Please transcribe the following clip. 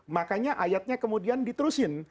makanya ayatnya kemudian diterusin